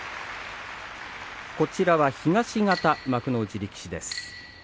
こちらは東方幕内力士土俵入りです。